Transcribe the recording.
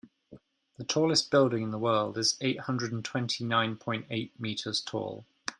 The tallest building in the world is eight hundred twenty nine point eight meters tall.